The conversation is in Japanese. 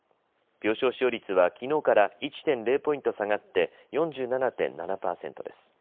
病床使用率はきのうから１．０ポイント下がって４７．７％です。